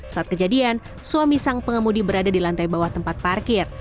saat kejadian suami sang pengemudi berada di lantai bawah tempat parkir